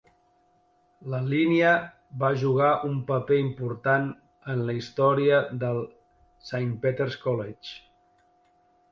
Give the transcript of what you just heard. La línia va jugar un paper important en la història del Saint Peter's College.